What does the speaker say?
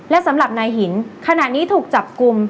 และสำหรับนายหินขณะนี้ถูกจับกลุ่ม